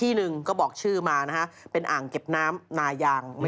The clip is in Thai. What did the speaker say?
ที่หนึ่งก็บอกชื่อมานะฮะเป็นอ่างเก็บน้ำนายาง